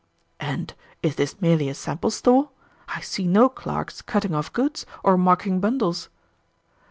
"And is this merely a sample store? I see no clerks cutting off goods or marking bundles."